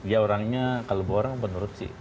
ya orangnya kalau dua orang menurut sih